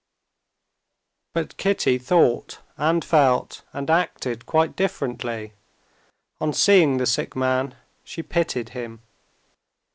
But Kitty thought, and felt, and acted quite differently. On seeing the sick man, she pitied him.